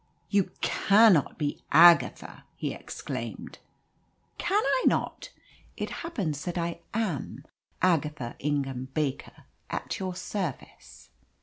"You cannot be Agatha!" he exclaimed. "Can I not? It happens that I AM Agatha Ingham Baker at your service!"